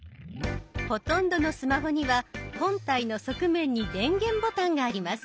ほとんどのスマホには本体の側面に電源ボタンがあります。